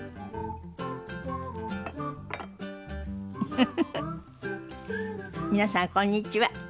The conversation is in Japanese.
フフフフ皆さんこんにちは。